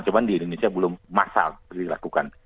cuma di indonesia belum masal dilakukan